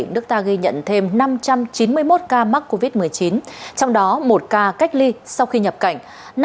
nước ta ghi nhận thêm năm trăm chín mươi một ca mắc covid một mươi chín trong đó một ca cách ly sau khi nhập cảnh